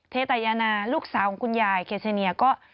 เตตยานาลูกสาวของคุณยายเคเซเนียก็